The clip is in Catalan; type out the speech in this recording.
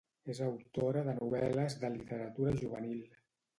És autora de novel·les de literatura juvenil.